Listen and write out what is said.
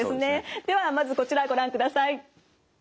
ではまずこちらご覧ください。